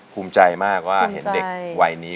ภูมิใจมากว่าเห็นเด็กวัยนี้